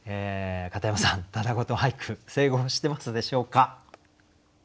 片山さんただごと俳句成功していますでしょうか？